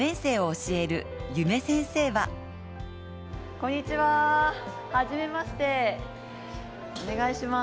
こんにちは、はじめまして、お願いします。